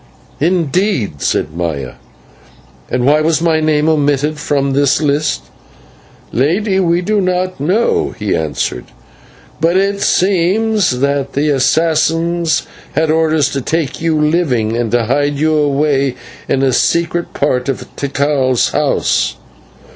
"Indeed," said Maya, "and why was my name omitted from this list?" "Lady, we do not know," he answered, "but it seems that the assassins had orders to take you living, and to hide you away in a secret part of Tikal's house."